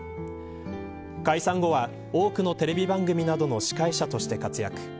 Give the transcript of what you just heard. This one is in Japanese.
解散後は、多くのテレビ番組などの司会者として活躍。